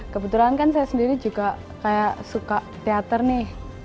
kebetulan kan saya sendiri juga kayak suka teater nih